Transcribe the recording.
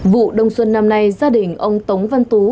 vụ đông xuân năm nay gia đình ông tống văn tú